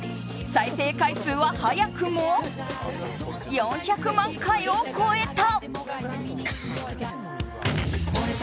再生回数は早くも４００万回を超えた。